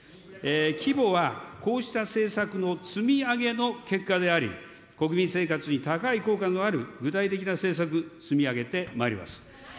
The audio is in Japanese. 規模はこうした政策の積み上げの結果であり、国民生活に高い効果のある、具体的な政策、積み上げてまいります。